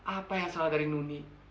apa yang salah dari nuni